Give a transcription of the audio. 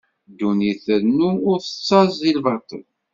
Ddunit trennu ur tettaẓ di lbaṭel.